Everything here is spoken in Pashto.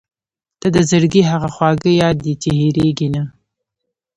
• ته د زړګي هغه خواږه یاد یې چې هېرېږي نه.